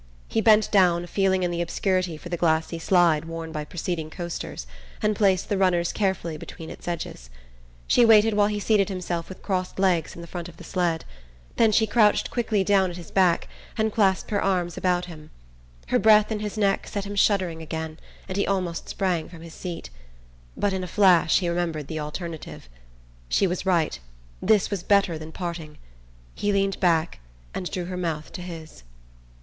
He bent down, feeling in the obscurity for the glassy slide worn by preceding coasters, and placed the runners carefully between its edges. She waited while he seated himself with crossed legs in the front of the sled; then she crouched quickly down at his back and clasped her arms about him. Her breath in his neck set him shuddering again, and he almost sprang from his seat. But in a flash he remembered the alternative. She was right: this was better than parting. He leaned back and drew her mouth to his...